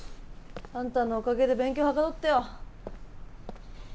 あんたのおかげで勉強はかどったよ。